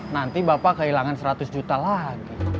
nanti bapak kehilangan seratus juta lagi